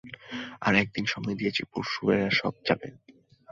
আর এক দিন সময় দিয়েছি পরশু এরা সব যাবে।